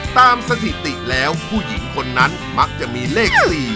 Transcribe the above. สถิติแล้วผู้หญิงคนนั้นมักจะมีเลข๔